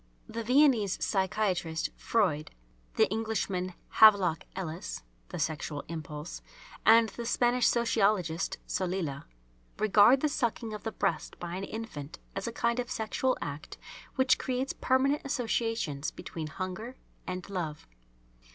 The Viennese psychiatrist Freud, the Englishman Havelock Ellis ("The Sexual Impulse"), and the Spanish Sociologist Solila, regard the sucking of the breast by an infant as a kind of sexual act which creates permanent associations between hunger and love.